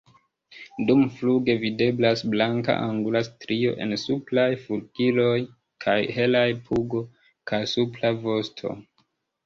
Dumfluge videblas blanka angula strio en supraj flugiloj kaj helaj pugo kaj supra vosto.